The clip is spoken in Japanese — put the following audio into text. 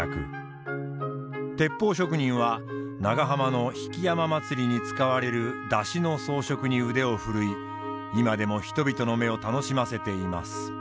鉄砲職人は長浜の曳山まつりに使われる山車の装飾に腕を振るい今でも人々の目を楽しませています。